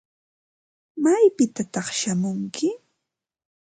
¿Maypitataq shamunki?